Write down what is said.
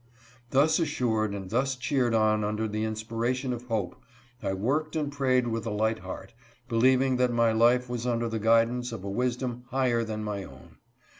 ) Thus assured and thus cheered on under the inspiration of hope, I worked and prayed with a light heart, believing that my life was under the guidance of a wisdom higher than my own.